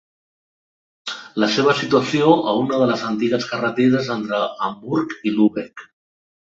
La seva situació a una de les antigues carreteres entre Hamburg i Lübeck.